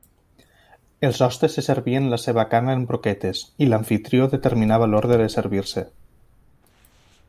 Els hostes se servien la seva carn en broquetes i l'amfitrió determinava l'ordre de servir-se.